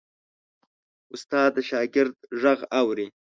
استاد د شاګرد غږ اوري.